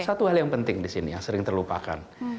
satu hal yang penting di sini yang sering terlupakan